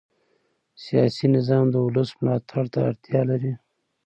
سیاسي نظام د ولس ملاتړ ته اړتیا لري